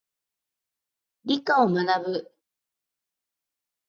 理科を学ぶ。